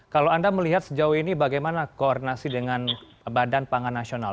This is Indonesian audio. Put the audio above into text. kalau anda melihat sejauh ini bagaimana koordinasi dengan badan pangan nasional